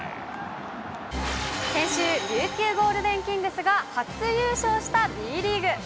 先週、琉球ゴールデンキングスが初優勝したＢリーグ。